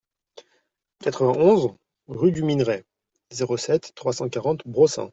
quatre-vingt-onze rue du Minerai, zéro sept, trois cent quarante Brossainc